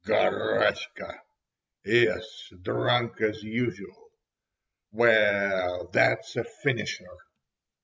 "Garaska! Yes, drunk as usual! Well, that's a finisher!"